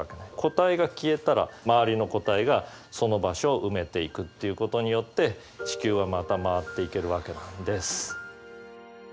個体が消えたら周りの個体がその場所を埋めていくっていうことによって地球はまた回っていけるわけなんです。